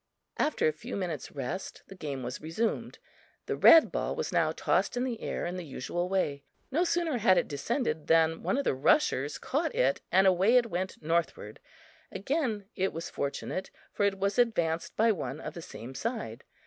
After a few minutes' rest, the game was resumed. The red ball was now tossed in the air in the usual way. No sooner had it descended than one of the rushers caught it and away it went northward; again it was fortunate, for it was advanced by one of the same side.